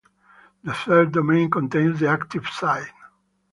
The third domain contains the active site.